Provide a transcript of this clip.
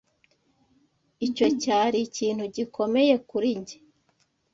Icyo cyari ikintu gikomeye kuri njye.